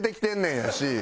やし。